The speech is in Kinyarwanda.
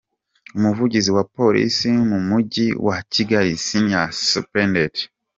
Umuvugizi wa Polisi mu Mujyi wa Kigali, Senior Supt.